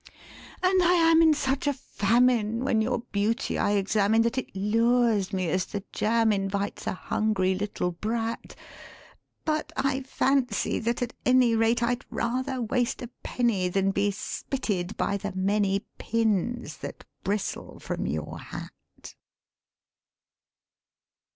And I am in such a famine when your beauty I examine That it lures me as the jam invites a hungry little brat; But I fancy that, at any rate, I'd rather waste a penny Than be spitted by the many pins that bristle from your hat.